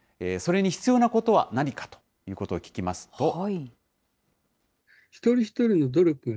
それに必要なことは何かということを聞きますと。